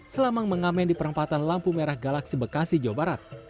selama mengamen di perempatan lampu merah galaksi bekasi jawa barat